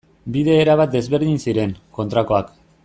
Bi bide erabat desberdin ziren, kontrakoak.